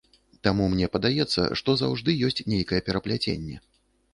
Таму мне падаецца, што заўжды ёсць нейкае перапляценне.